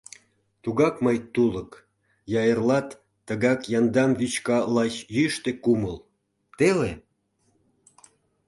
Тугак мый — тулык; я эрлат тыгак Яндам вӱчка лач йӱштӧ кумыл — теле?..